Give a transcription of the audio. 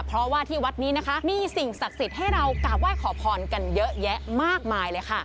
เพราะว่าที่วัดนี้นะคะมีสิ่งศักดิ์สิทธิ์ให้เรากราบไหว้ขอพรกันเยอะแยะมากมายเลยค่ะ